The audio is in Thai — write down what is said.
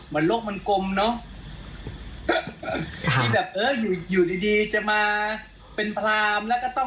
ไม่ต้องโกนหัวโกนคิ้วก็ได้มั้งใส่ชุดขาวห่มขาวก็ได้มั้ง